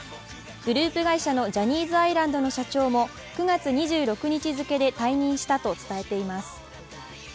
グループ会社のジャニーズアイランドの社長も９月２６日付で退任したと伝えています。